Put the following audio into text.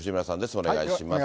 お願いします。